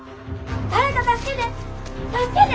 誰か助けて！